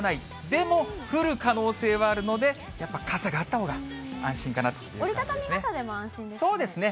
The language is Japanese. でも降る可能性はあるので、やっぱ傘があったほうが安心かなという感じですね。